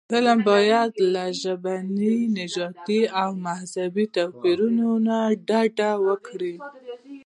فلم باید له ژبني، نژادي او مذهبي توپیرونو ډډه وکړي